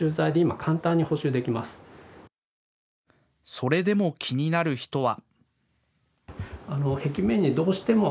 それでも気になる人は。